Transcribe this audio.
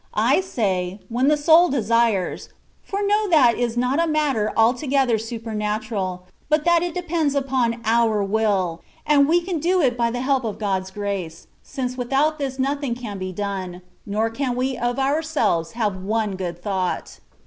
I say, '^ when the soul desires '/' far know that is not a matter altogether supernatural, but that it idependfi upon our uAU; and we can do 142 THE WAY OF PERFECTION. it by the help of God's grace, since without this nothing can be done, nor can we of ourselves have one good thought.